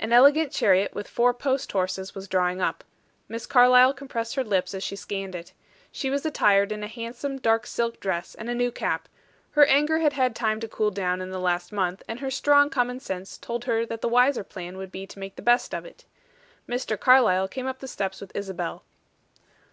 An elegant chariot with four post horses was drawing up. Miss Carlyle compressed her lips as she scanned it. She was attired in a handsome dark silk dress and a new cap; her anger had had time to cool down in the last month, and her strong common sense told her that the wiser plan would be to make the best of it. Mr. Carlyle came up the steps with Isabel.